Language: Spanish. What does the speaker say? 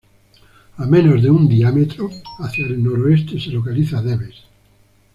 A menos de un diámetro hacia el noroeste se localiza Debes.